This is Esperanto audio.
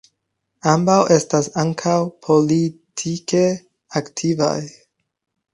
Ambaŭ estas ankaŭ politike aktivaj.